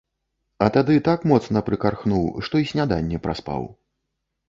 А тады так моцна прыкархнуў, што й сняданне праспаў.